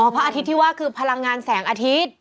อ๋อพว่าอาทิตย์ที่ว่าครรภ์คือพลังงานแสงอาทิตย์